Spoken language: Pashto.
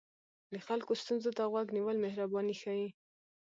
د خلکو ستونزو ته غوږ نیول مهرباني ښيي.